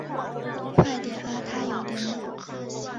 快点啊他有点恼